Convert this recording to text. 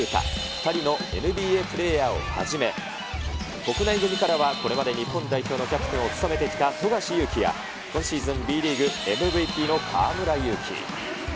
２人のＮＢＡプレーヤーをはじめ、国内組からはこれまで日本代表のキャプテンを務めてきた富樫勇樹や今シーズン、ＢリーグＭＶＰの河村勇輝。